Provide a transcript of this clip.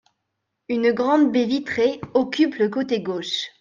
Une grande baie vitrée occupe le côté gauche.